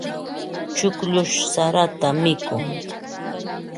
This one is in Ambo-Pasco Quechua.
Chukllush sarata mikun.